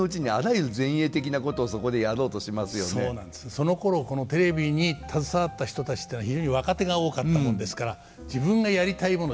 そのころテレビに携わった人たちっていうのは非常に若手が多かったもんですから自分がやりたいもの